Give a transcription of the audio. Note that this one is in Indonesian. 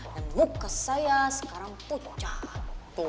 dan muka saya sekarang pucat